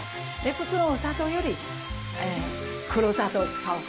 普通のお砂糖より黒砂糖を使うこと。